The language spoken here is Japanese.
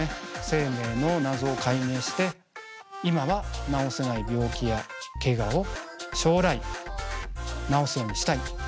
生命の謎を解明して今は治せない病気やけがを将来治すようにしたい。